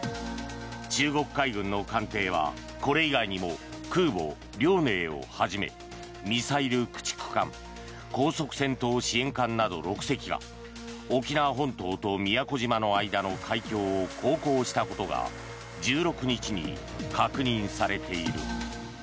中国海軍の艦艇はこれ以外にも空母「遼寧」をはじめミサイル駆逐艦高速戦闘支援艦など６隻が沖縄本島と宮古島の間の海峡を航行したことが１６日に確認されている。